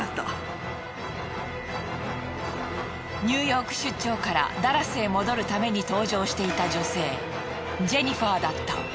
ニューヨーク出張からダラスへ戻るために搭乗していた女性ジェニファーだった。